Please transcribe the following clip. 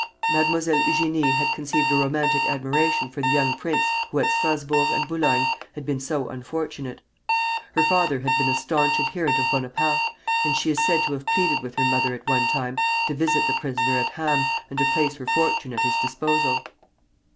Mademoiselle Eugénie had conceived a romantic admiration for the young prince who at Strasburg and Boulogne had been so unfortunate. Her father had been a stanch adherent of Bonaparte, and she is said to have pleaded with her mother at one time to visit the prisoner at Ham and to place her fortune at his disposal.